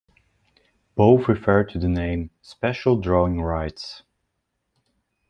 Both refer to the name "Special Drawing Rights".